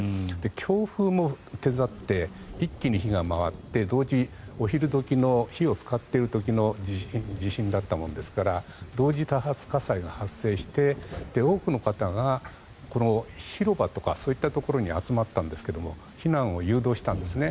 強風も手伝って一気に火が回ってお昼時の火を使っている時の地震だったものですから同時多発火災が発生して多くの方がこの広場とかそういうところに集まったんですが避難を誘導したんですね。